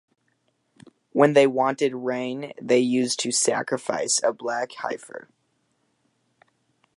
When they wanted rain, they used to sacrifice a black heifer.